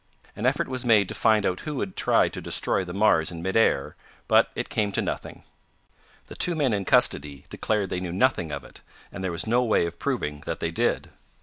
An effort was made to find out who had tried to destroy the Mars in midair, but it came to nothing. The two men in custody declared they knew nothing of it, and there was no way of proving that they did.